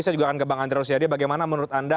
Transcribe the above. saya juga akan ke bang andre rosiade bagaimana menurut anda